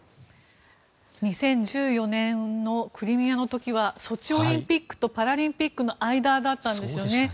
２０１４年のクリミアの時はソチオリンピックとパラリンピックの間だったんですね。